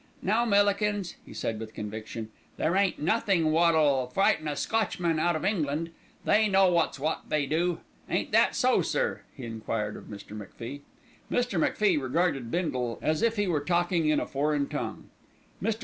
"No, Millikins," he said with conviction, "there ain't nothink wot'll frighten a Scotchman out of England. They know wot's wot, they do. Ain't that so, sir?" he enquired of Mr. MacFie. Mr. MacFie regarded Bindle as if he were talking in a foreign tongue. Mr.